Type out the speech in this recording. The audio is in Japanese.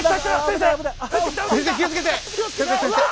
先生気をつけて！